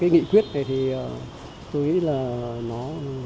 cái nghị quyết này thì tôi nghĩ là nó